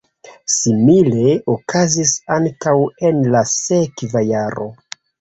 Simile okazis ankaŭ en la sekva jaro.